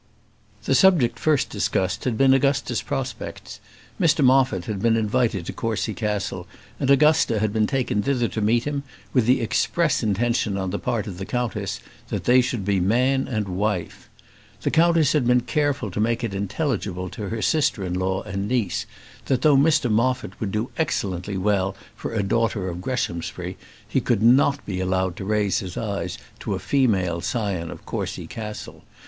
The subject first discussed had been Augusta's prospects. Mr Moffat had been invited to Courcy Castle, and Augusta had been taken thither to meet him, with the express intention on the part of the countess, that they should be man and wife. The countess had been careful to make it intelligible to her sister in law and niece, that though Mr Moffat would do excellently well for a daughter of Greshamsbury, he could not be allowed to raise his eyes to a female scion of Courcy Castle.